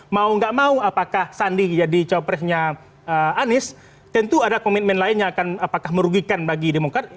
mau nggak mau apakah sandi jadi cowok presnya anies tentu ada komitmen lain yang akan apakah merugikan bagi demokrat